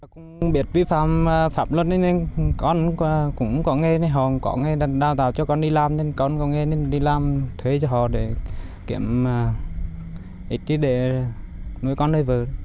không biết vi phạm pháp luật nên con cũng có nghề họ có nghề đào tạo cho con đi làm nên con có nghề đi làm thuê cho họ để kiểm ích để nuôi con đời vợ